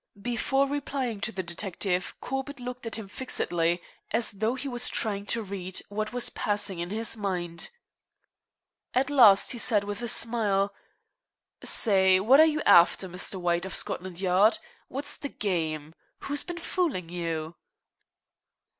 Before replying to the detective Corbett looked at him fixedly, as though he was trying to read what was passing in his mind. At last he said with a smile: "Say, what are you after, Mr. White of Scotland Yard? What's the game? Who's been fooling you?"